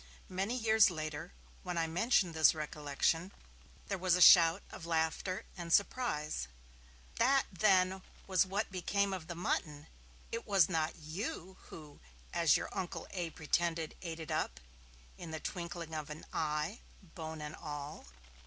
Many years later, when I mentioned this recollection, there was a shout of laughter and surprise: 'That, then, was what became of the mutton! It was not you, who, as your Uncle A. pretended, ate it up, in the twinkling of an eye, bone and all!'